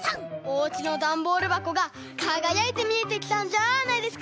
おうちのダンボールばこがかがやいてみえてきたんじゃあないですか？